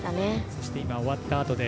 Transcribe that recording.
そして今、終わったあとで